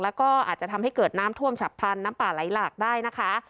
แล้วก็อาจจะทำให้เกิดน้ำท่วมฉับพลันน้ำป่าไหลหลากได้นะคะ